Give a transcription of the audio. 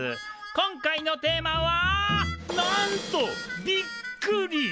今回のテーマは「なんと『ビック』リ！！